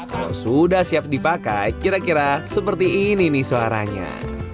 kalau sudah siap dipakai kira kira seperti ini nih suaranya